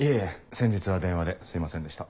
先日は電話ですいませんでした。